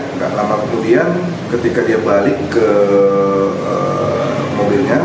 tidak lama kemudian ketika dia balik ke mobilnya